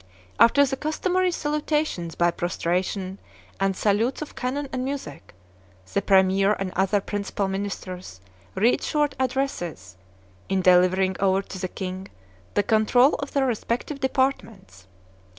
After the customary salutations by prostration and salutes of cannon and music, the premier and other principal ministers read short addresses, in delivering over to the king the control of their respective departments.